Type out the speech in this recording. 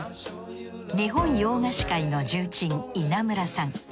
日本洋菓子界の重鎮稲村さん。